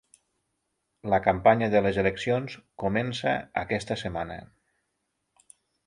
La campanya de les eleccions comença aquesta setmana.